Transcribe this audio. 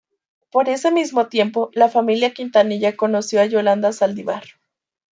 Por ese mismo tiempo, la familia Quintanilla conoció a Yolanda Saldívar.